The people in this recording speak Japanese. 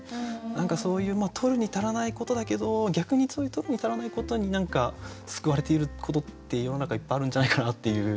何かそういうとるに足らないことだけど逆にそういうとるに足らないことに何か救われていることって世の中いっぱいあるんじゃないかなっていう。